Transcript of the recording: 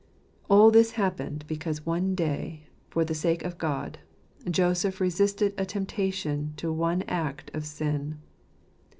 All this happened because one day, for the sake of God, Joseph resisted a temptation to one act of sin.